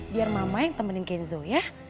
biar mama yang temenin kenzo ya